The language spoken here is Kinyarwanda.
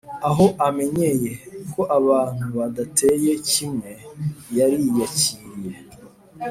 aho amenyeye ko abantu badateye kimwe yariyakiriye,